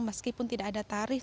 meskipun tidak ada tarif